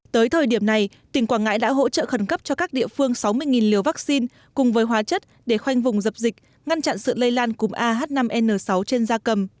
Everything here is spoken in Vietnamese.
tới thời điểm này tỉnh quảng ngãi đã hỗ trợ khẩn cấp cho các địa phương sáu mươi liều vaccine cùng với hóa chất để khoanh vùng dập dịch ngăn chặn sự lây lan cúm ah năm n sáu trên da cầm